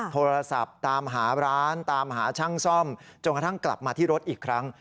โทรศัพท์ตามหาร้านตามหาช่างซ่อมจนกระทั่งกลับมาที่รถอีกครั้ง